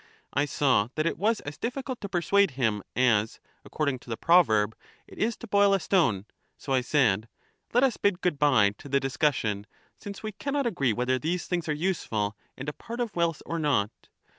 I saw that it was as difficult to persuade him as (according to the proverb) it is to boil a stone, so I said : Let us bid 1 good bye ' to the discussion, since we cannot agree whether these things are useful and a part of wealth or not.